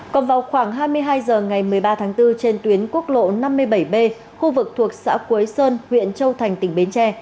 còn vào khoảng hai mươi hai h ngày một mươi ba tháng bốn trên tuyến quốc lộ năm mươi bảy b khu vực thuộc xã quế sơn huyện châu thành tỉnh bến tre